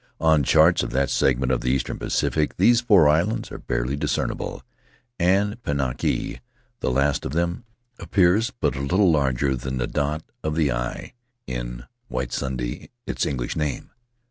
On charts of that segment of the eastern Pacific these four islands are barely discernible, and Pinaki, the least of them, appears but little larger than the dot of the "i" in Whitsunday, its English name.